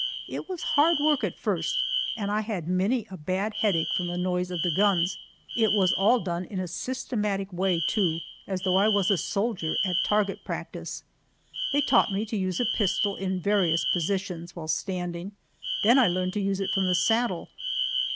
It was hard work at first, and I had many a bad headache from the noise of the guns. It was all done in a systematic way, too, as though I was a soldier at target practice. They taught me to use a pistol in various positions while standing; then I learned to use it from the saddle.